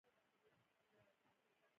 تاثیر مطالعه شي.